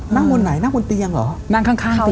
นั่งวนไหนนั่งวนเตียงเหรอ